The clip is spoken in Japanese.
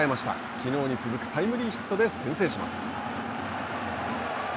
きのうに続くタイムリーヒットで先制します。